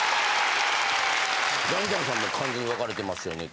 ダウンタウンさんも完全に分かれてますよねって